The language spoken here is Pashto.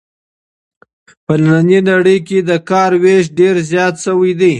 په نننۍ نړۍ کې د کار وېش ډېر زیات سوی دی.